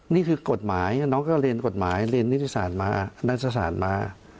นี่คือกฎหมายน้องก็เรียนกฎหมายเรียนนิตศาสตร์มาณสถานมา